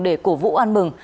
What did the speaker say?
để cổ vũ an mừng